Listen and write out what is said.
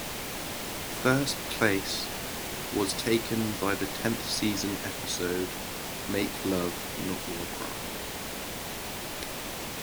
The first place was taken by the tenth season episode "Make Love, Not Warcraft".